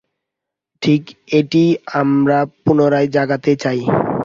ঠিক এইটিই আমরা পুনরায় জাগাইতে চাই।